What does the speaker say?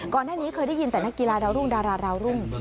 ก่อนหน้านี้เคยได้ยินแต่นักกีฬาดาวรุ่งดาราดาวรุ่ง